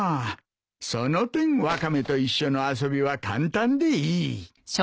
その点ワカメと一緒の遊びは簡単でいい。